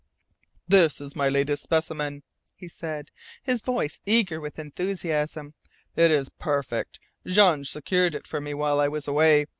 "This is my latest specimen," he said, his voice eager with enthusiasim. "It is perfect. Jean secured it for me while I was away.